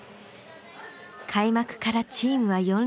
開幕からチームは４連勝。